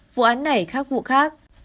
vụ án này khác vụ khác